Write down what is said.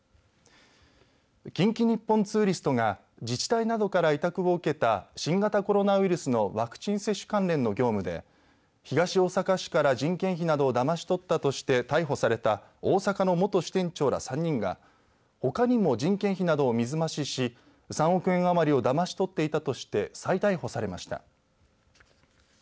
近畿日本ツーリストが自治体などから委託を受けた新型コロナウイルスのワクチン接種関連の業務で東大阪市から人件費などをだまし取ったとして逮捕された大阪の元支店長ら３人がほかにも人件費などを水増しし３億円余りをだまし取っていたとして再逮捕されました。